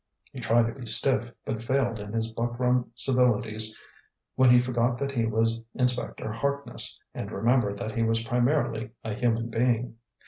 He tried to be stiff, but failed in his buckram civilities when he forgot that he was Inspector Harkness and remembered that he was primarily a human being.